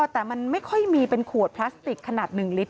แต่มันไม่ค่อยมีเป็นขวดพลาสติกขนาด๑ลิตร